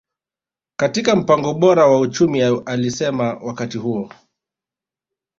katika mpango bora wa uchumi alisema wakati huo